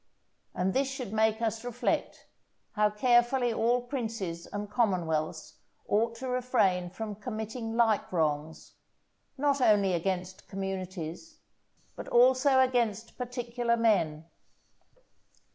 And this should make us reflect, how carefully all princes and commonwealths ought to refrain from committing like wrongs, not only against communities, but also against particular men.